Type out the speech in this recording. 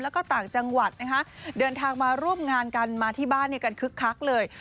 แล้วก็ต่างจังหวัดนะคะเดินทางมาร่วมงานกันมาที่บ้านกันคึกคักเลย